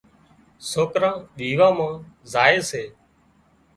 سوڪران ويوان مان زائي سي